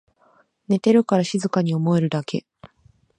寝てるから静かに思えるだけ